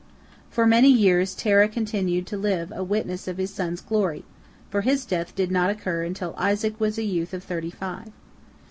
For many years Terah continued to live a witness of his son's glory, for his death did not occur until Isaac was a youth of thirty five.